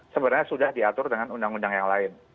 sebenarnya sudah diatur dengan undang undang yang lain